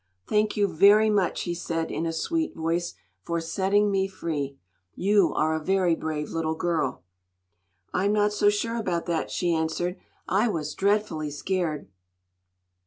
"Thank you very much," he said, in a sweet voice, "for setting me free. You are a very brave little girl!" "I'm not so sure about that," she answered. "I was dreadfully scared!"